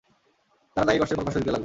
তারা তাকে কষ্টের পর কষ্ট দিতে লাগল।